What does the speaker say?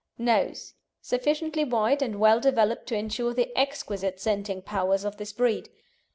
NOSE Sufficiently wide and well developed to ensure the exquisite scenting powers of this breed.